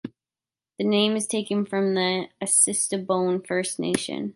The name is taken from the Assiniboine First Nation.